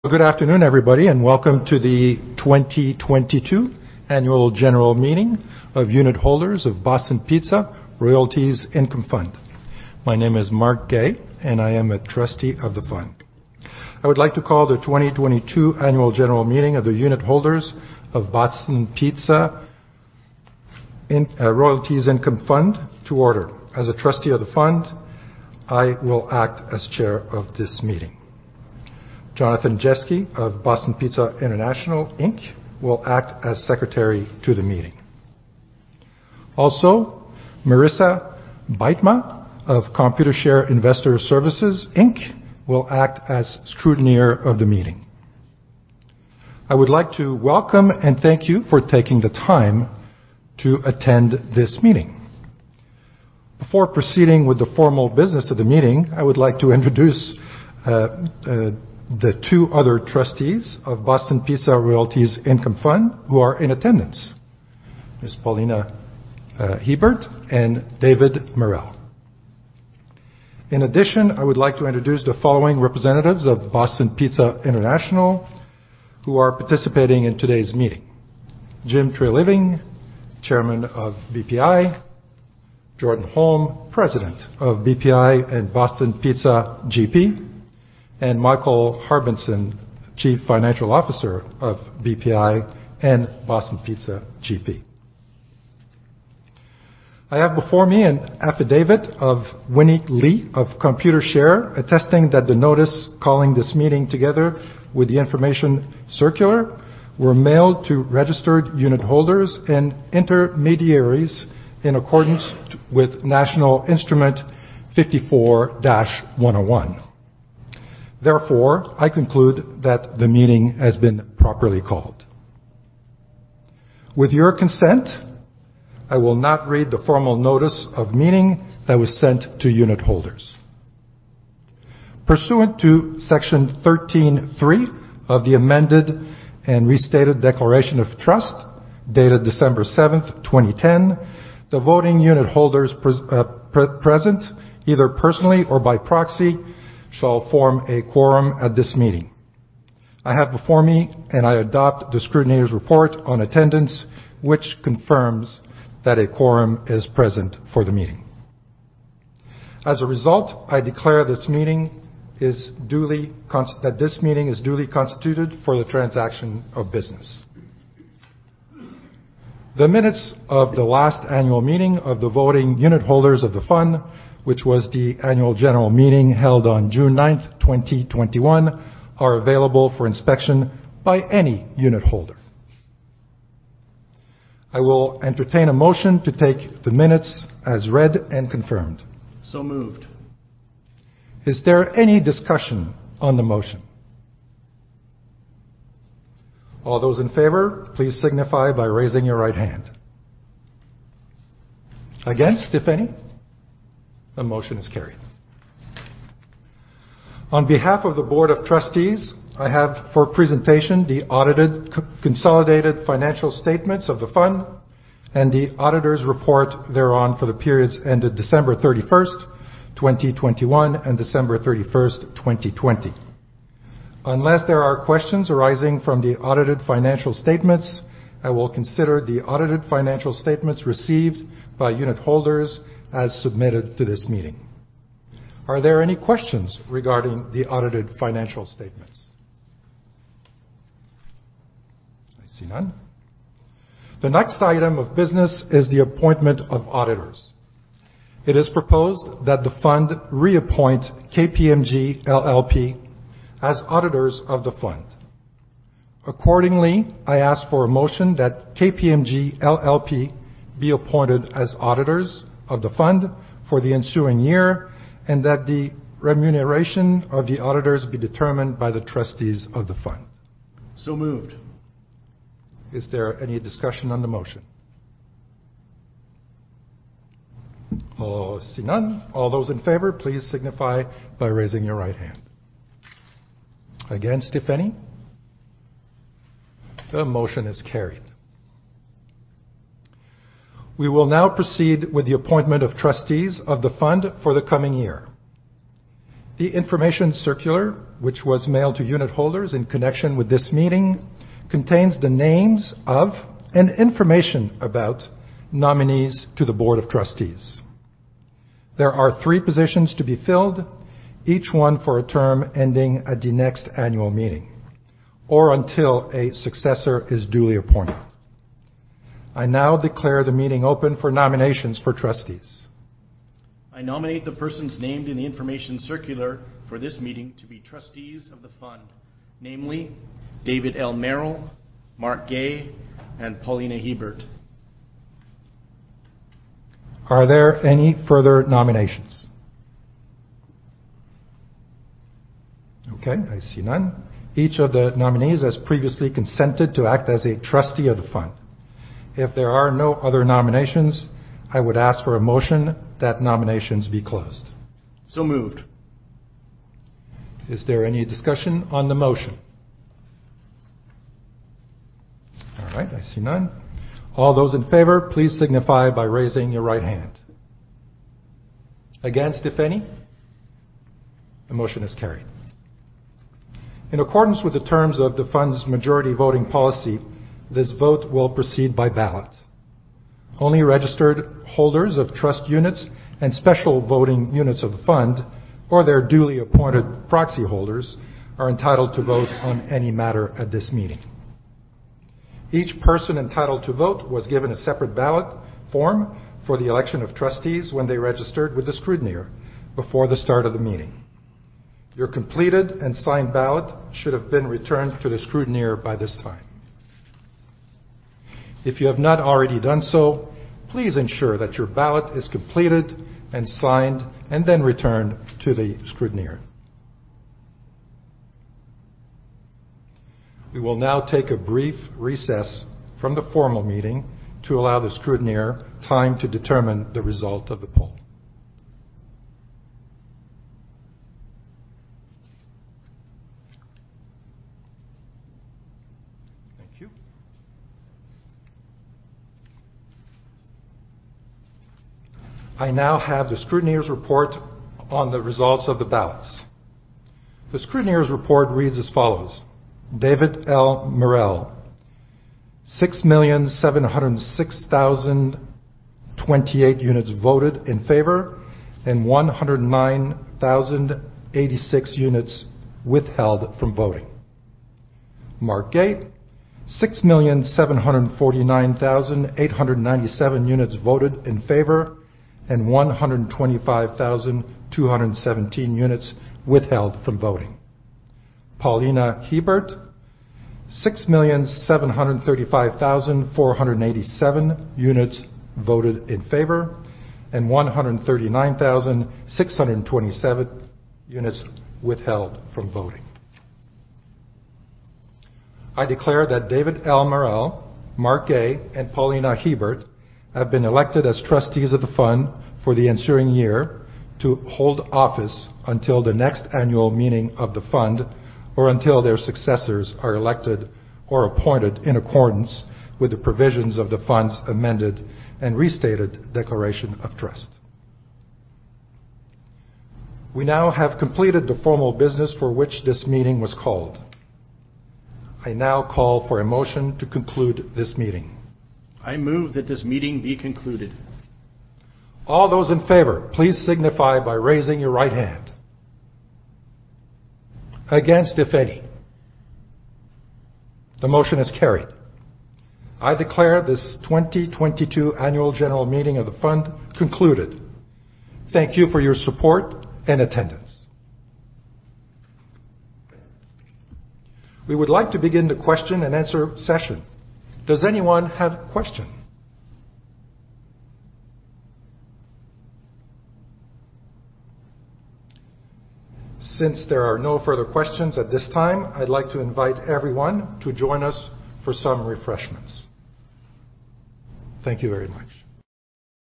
Good afternoon, everybody, and welcome to the 2022 Annual General Meeting of unitholders of Boston Pizza Royalties Income Fund. My name is Marc G. Guay, and I am a trustee of the fund. I would like to call the 2022 Annual General Meeting of the unitholders of Boston Pizza Royalties Income Fund to order. As a trustee of the fund, I will act as chair of this meeting. Jonathan Jeske of Boston Pizza International Inc. will act as secretary to the meeting. Also, Marissa Buitma of Computershare Investor Services Inc. will act as scrutineer of the meeting. I would like to welcome and thank you for taking the time to attend this meeting. Before proceeding with the formal business of the meeting, I would like to introduce the two other trustees of Boston Pizza Royalties Income Fund who are in attendance, Ms. Paulina Hiebert and David L. Merrell. In addition, I would like to introduce the following representatives of Boston Pizza International who are participating in today's meeting. Jim Treliving, Chairman of BPI. Jordan Holm, President of BPI and Boston Pizza GP, and Michael E. Harbinson, Chief Financial Officer of BPI and Boston Pizza GP. I have before me an affidavit of Winnie Lee of Computershare, attesting that the notice calling this meeting together with the information circular were mailed to registered unitholders and intermediaries in accordance with National Instrument 54-101. Therefore, I conclude that the meeting has been properly called. With your consent, I will not read the formal notice of meeting that was sent to unitholders. Pursuant to Section 13.3 of the Amended and Restated Declaration of Trust, dated December 7th, 2010, the voting unitholders present, either personally or by proxy, shall form a quorum at this meeting. I have before me, and I adopt the scrutineer's report on attendance, which confirms that a quorum is present for the meeting. As a result, I declare that this meeting is duly constituted for the transaction of business. The minutes of the last annual meeting of the voting unitholders of the fund, which was the annual general meeting held on June 9th, 2021, are available for inspection by any unitholder. I will entertain a motion to take the minutes as read and confirmed. Moved. Is there any discussion on the motion? All those in favor, please signify by raising your right hand. Against, if any? The motion is carried. On behalf of the Board of Trustees, I have for presentation the audited consolidated financial statements of the fund and the auditor's report thereon for the periods ended December 31st, 2021 and December 31st, 2020. Unless there are questions arising from the audited financial statements, I will consider the audited financial statements received by unitholders as submitted to this meeting. Are there any questions regarding the audited financial statements? I see none. The next item of business is the appointment of auditors. It is proposed that the fund reappoint KPMG LLP as auditors of the fund. Accordingly, I ask for a motion that KPMG LLP be appointed as auditors of the fund for the ensuing year and that the remuneration of the auditors be determined by the trustees of the fund. Moved. Is there any discussion on the motion? I see none. All those in favor, please signify by raising your right hand. Against, if any? The motion is carried. We will now proceed with the appointment of trustees of the fund for the coming year. The information circular, which was mailed to unitholders in connection with this meeting, contains the names of and information about nominees to the Board of Trustees. There are three positions to be filled, each one for a term ending at the next annual meeting or until a successor is duly appointed. I now declare the meeting open for nominations for trustees. I nominate the persons named in the information circular for this meeting to be trustees of the fund, namely David L. Merrell, Marc G. Guay, and Paulina Hiebert. Are there any further nominations? Okay, I see none. Each of the nominees has previously consented to act as a trustee of the fund. If there are no other nominations, I would ask for a motion that nominations be closed. Moved. Is there any discussion on the motion? All right, I see none. All those in favor, please signify by raising your right hand. Against, if any. The motion is carried. In accordance with the terms of the fund's Majority Voting Policy, this vote will proceed by ballot. Only registered holders of Trust Units and Special Voting Units of the fund or their duly appointed proxy holders are entitled to vote on any matter at this meeting. Each person entitled to vote was given a separate ballot form for the election of trustees when they registered with the scrutineer before the start of the meeting. Your completed and signed ballot should have been returned to the scrutineer by this time. If you have not already done so, please ensure that your ballot is completed and signed, and then returned to the scrutineer. We will now take a brief recess from the formal meeting to allow the scrutineer time to determine the result of the poll. Thank you. I now have the scrutineer's report on the results of the ballots. The scrutineer's report reads as follows. David L. Merrell, 6,706,028 units voted in favor and 109,086 units withheld from voting. Marc G. Guay, 6,749,897 units voted in favor, and 125,217 units withheld from voting. Paulina Hiebert, 6,735,487 units voted in favor, and 139,627 units withheld from voting. I declare that David L. Merrell, Marc Guay, and Paulina Hiebert have been elected as trustees of the fund for the ensuing year to hold office until the next annual meeting of the fund or until their successors are elected or appointed in accordance with the provisions of the fund's Amended and Restated Declaration of Trust. We now have completed the formal business for which this meeting was called. I now call for a motion to conclude this meeting. I move that this meeting be concluded. All those in favor, please signify by raising your right hand. Against, if any. The motion is carried. I declare this 2022 annual general meeting of the fund concluded. Thank you for your support and attendance. We would like to begin the question and answer session. Does anyone have a question? Since there are no further questions at this time, I'd like to invite everyone to join us for some refreshments. Thank you very much.